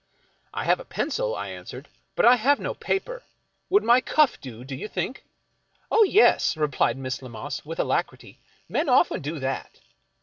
" I have a pencil," I answered ;" but I have no paper. Would my cuff do, do you think? "" Oh, yes !" replied Miss Lammas, with alacrity ;" men often do that."